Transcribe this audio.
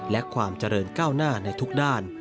และความเจริญก้าวหน้าในทุกด้าน